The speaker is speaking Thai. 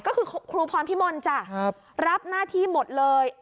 ก็คือครูพรพิมลจ้ะรับหน้าที่หมดเลย